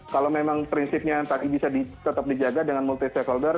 kalau memang prinsipnya bisa tetap dijaga dengan multisite holder